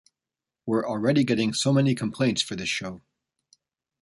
We're already getting so many complaints for this show!